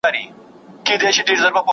زده کړه د یو ملت شتمني ده.